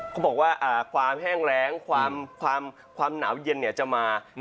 เขาบอกว่าความแห้งแรงความหนาวเย็นจะมา